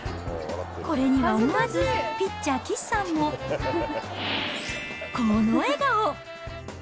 これには思わず、ピッチャー、岸さんもこの笑顔。